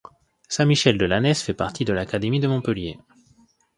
Saint-Michel-de-Lanès fait partie de l'académie de Montpellier.